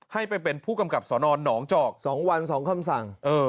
ให้ไปเป็นผู้กำกับสอนอนหนองจอก๒วัน๒คำสั่ง